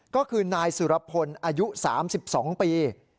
ก็คือนายสุรพลอายุ๓๒ปี